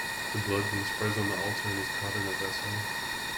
The blood then spreads on the altar and is caught in a vessel.